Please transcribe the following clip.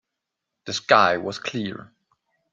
The sky was clear.